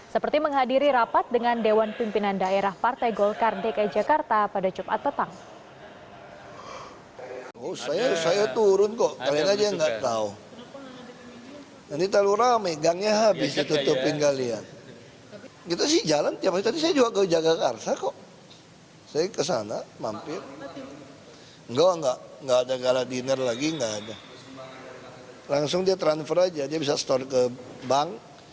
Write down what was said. seperti menghadiri rapat dengan dewan pimpinan daerah partai golkar dki jakarta pada jumat petang